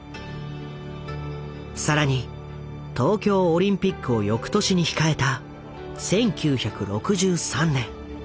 更に東京オリンピックをよくとしに控えた１９６３年。